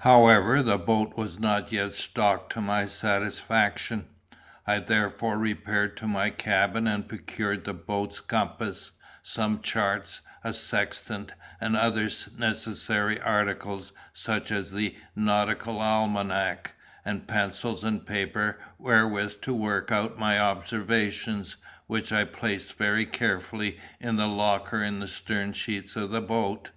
However, the boat was not yet stocked to my satisfaction. I therefore repaired to my cabin and procured the boat's compass, some charts, a sextant, and other necessary articles such as the "Nautical Almanac," and pencils and paper wherewith to work out my observations, which I placed very carefully in the locker in the stern sheets of the boat.